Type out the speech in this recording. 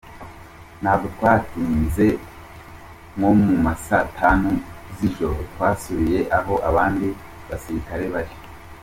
Ntabwo twahatinze, nko mu ma saa tanu z’ijoro twasubiye aho abandi basirikare bari.